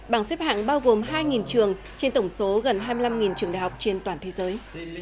bảng xếp hạng bao gồm hai trường trên tổng số gần hai mươi năm trường đại học trên toàn thế giới